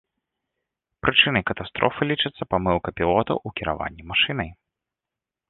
Прычынай катастрофы лічыцца памылка пілотаў у кіраванні машынай.